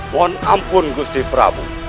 mohon ampun gusti prabu